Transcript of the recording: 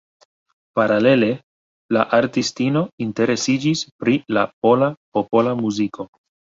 Paralele la artistino interesiĝis pri la pola popola muziko.